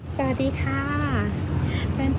สวัสดีค่ะแฟนรายการตลอดข่าวทุกคนนะคะ